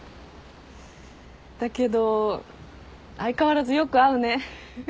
だけど相変わらずよく会うね。